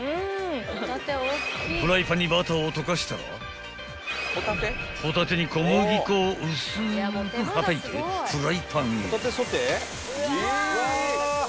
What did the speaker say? ［フライパンにバターを溶かしたらホタテに小麦粉を薄くはたいてフライパンへ］